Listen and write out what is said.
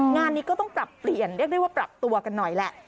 งานนี้ก็ต้องปรับเปลี่ยนเรียกได้ว่าปรับตัวกันหน่อยแหละ